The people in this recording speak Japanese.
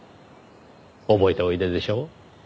覚えておいででしょう？